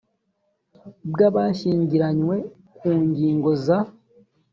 bw’abashyingaranywe ku ngingo za